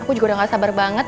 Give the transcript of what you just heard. aku juga udah gak sabar banget